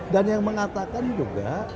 dan yang mengatakan juga